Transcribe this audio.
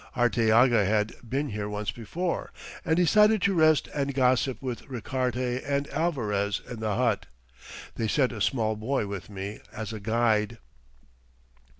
Arteaga had "been here once before," and decided to rest and gossip with Richarte and Alvarez in the hut. They sent a small boy with me as a guide.